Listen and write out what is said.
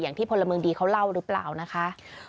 อย่างที่พลเมืองดีเขาเล่าหรือเปล่านะคะ